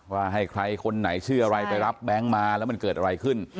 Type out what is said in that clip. ว่าให้ใครคนไหนชื่ออะไรไปรับแบงค์มาแล้วมันเกิดอะไรขึ้น